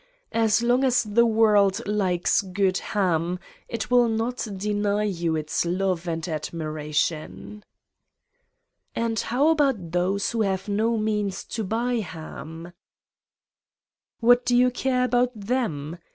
As long as the world likes good ham it will not deny you its love and admiration !'' "And how about those who have no means to buy ham?" "What do you care about them?